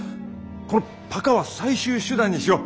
このパカは最終手段にしよう。